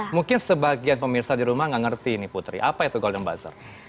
mungkin sebagian pemirsa di rumah nggak ngerti nih putri apa itu golden buzzer